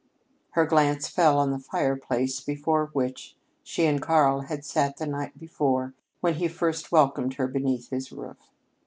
Her glance fell on the fireplace before which she and Karl had sat the night when he first welcomed her beneath his roof.